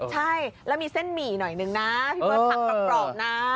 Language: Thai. ใช่แล้วมีเส้นหมี่หน่อยนึงนะพี่เบิร์ดผักกรอบนะ